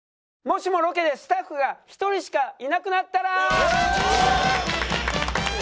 「もしもロケでスタッフが１人しか居なくなったら？」。